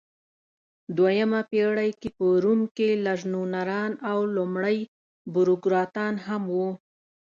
دویمه پېړۍ کې په روم کې لژنونران او لومړۍ بوروکراتان هم وو.